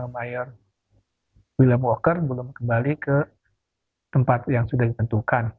mayor william wacker belum kembali ke tempat yang sudah ditentukan